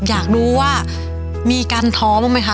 อยากรู้ว่ามีการท้อบ้างไหมคะ